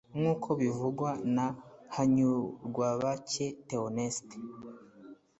nk'uko bivugwa na Hanyurwabake Théoneste,